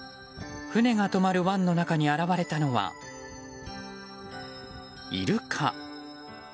船が止まる湾の中に現れたのは、イルカ。